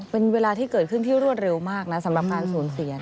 เป็นเวลาที่เกิดขึ้นที่รวดเร็วมากนะสำหรับการสูญเสีย